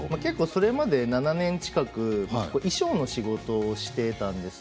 これまで７年ぐらい衣装の仕事をしていたんです。